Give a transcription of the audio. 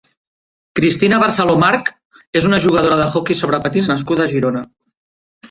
Cristina Barceló March és una jugadora d'hoquei sobre patins nascuda a Girona.